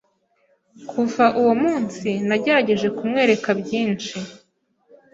Kuva uwo munsi nagerageje kumwereka byinshi